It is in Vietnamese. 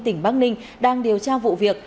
tỉnh bắc ninh đang điều tra vụ việc